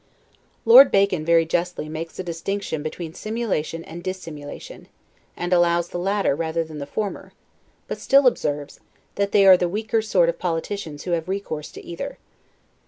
Lord Bacon, very justly, makes a distinction between simulation and dissimulation; and allows the latter rather than the former; but still observes, that they are the weaker sort of politicians who have recourse to either.